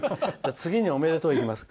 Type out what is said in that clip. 次のおめでとういきます。